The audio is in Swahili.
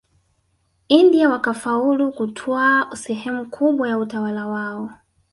India wakafaulu kutwaa sehemu kubwa ya utawala wao